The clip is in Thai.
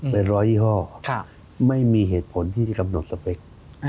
เป็นร้อยยี่ห้อไม่มีเหตุผลที่จะกำหนดสเปค